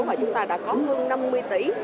và chúng ta đã có hơn năm mươi tỷ